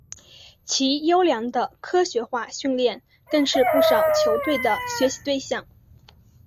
其优良的科学化训练更是不少球队的学习对象。